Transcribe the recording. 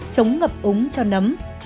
chống ngập úng cho nấm